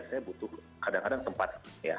saya butuh kadang kadang tempat ya